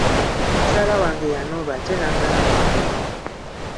Mukyala wange yanoba ate n'amala n'akomawo.